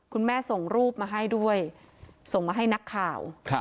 คุณแม่ส่งรูปมาให้ด้วยส่งมาให้นักข่าว